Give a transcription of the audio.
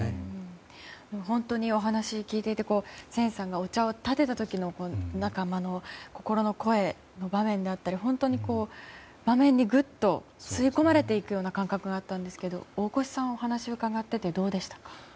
本当にお話を聞いていて千さんがお茶をたてた時の仲間の心の声の場面だったり場面にぐっと吸い込まれていくような感覚があったんですけど大越さん、お話を伺っていてどうでしたか？